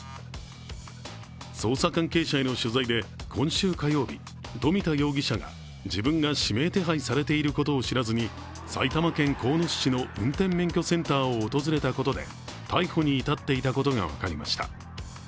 捜査関係者への取材で、今週火曜日、富田容疑者が、自分が指名手配されていることを知らずに埼玉県鴻巣市の運転免許センターを訪れたことで逮捕に至っていたことが分かりました。